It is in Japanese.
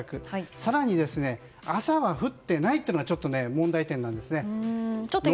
更に朝は降っていないというのがちょっと問題点なんですね。